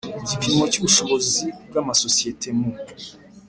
Igipimo cy ubushobozi bw amasosiyete mu